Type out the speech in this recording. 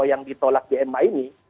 yang ditolak ema ini